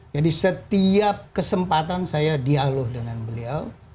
jadi setiap kesempatan saya dialog dengan beliau